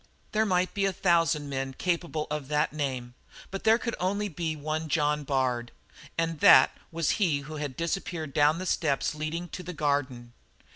There might be a thousand men capable of that name, but there could only be one John Bard, and that was he who had disappeared down the steps leading to the garden.